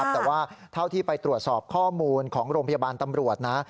แต่ว่าเท่าที่ไปตรวจสอบข้อมูลของโรงพยาบาลตำรวจนะ